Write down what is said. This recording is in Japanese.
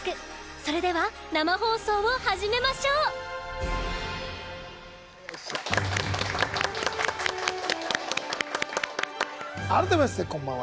それでは生放送を始めましょう改めまして、こんばんは。